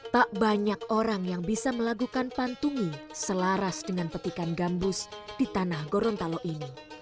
tak banyak orang yang bisa melakukan pantungi selaras dengan petikan gambus di tanah gorontalo ini